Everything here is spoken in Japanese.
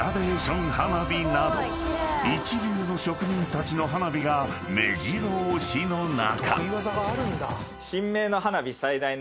［一流の職人たちの花火がめじろ押しの中］